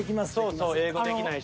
そうそう英語できないし。